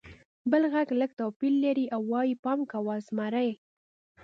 بل غږ لږ توپیر لري او وایي: «پام کوه! زمری!»